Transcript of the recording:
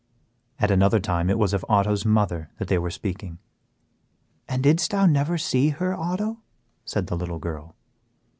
At another time it was of Otto's mother that they were speaking. "And didst thou never see her, Otto?" said the little girl.